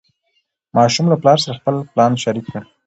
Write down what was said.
ماشوم له پلار سره خپل پلان شریک کړ